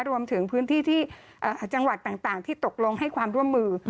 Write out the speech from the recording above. รวมถึงพื้นที่ที่จังหวัดต่างที่ตกลงให้ความร่วมมือ